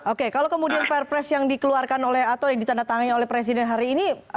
oke kalau kemudian perpres yang dikeluarkan oleh atau ditandatangani oleh presiden hari ini